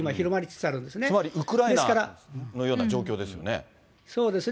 つまりウクライナのような状況ですよね。